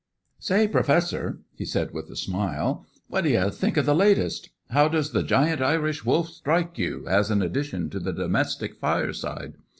"Say, Professor," he said, with a smile, "what d'ye think of the latest? How does the Giant Irish Wolf strike you, as an addition to the domestic fireside?